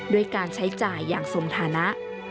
ด้วยการใช้จ่ายอย่างสมฐานะ